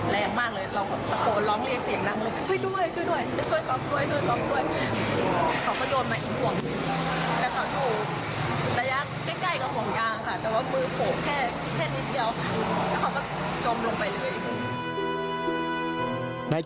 แต่ว่ามือโผล่แค่นิดเดียวก็มาจมลงไปเลย